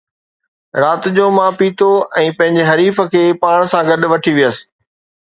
رات جو، مان پيتو ۽ پنهنجي حریف کي پاڻ سان گڏ وٺي ويس